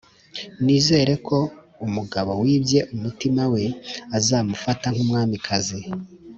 nizere ko umugabo wibye umutima we, azamufata nkumwamikazi.